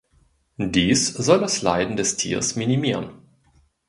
Dies soll das Leiden des Tiers minimieren.